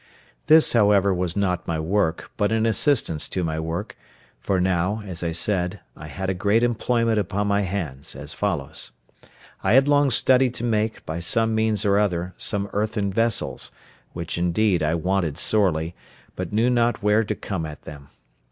This, therefore, was not my work, but an assistance to my work; for now, as I said, I had a great employment upon my hands, as follows: I had long studied to make, by some means or other, some earthen vessels, which, indeed, I wanted sorely, but knew not where to come at them.